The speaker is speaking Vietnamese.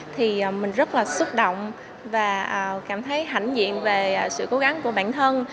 thì mình rất là xúc động và cảm thấy hãnh diện về sự cố gắng của bản thân